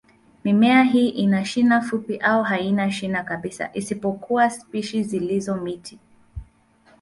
Mimea hii ina shina fupi au haina shina kabisa, isipokuwa spishi zilizo miti.